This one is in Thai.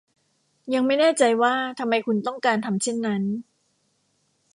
ยังไม่แน่ใจว่าทำไมคุณต้องการทำเช่นนั้น